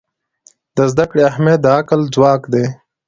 د زده کړې اهمیت د عقل ځواک دی.